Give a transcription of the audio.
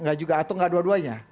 nggak juga atau nggak dua duanya